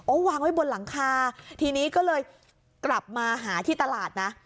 วางไว้บนหลังคาทีนี้ก็เลยกลับมาหาที่ตลาดนะ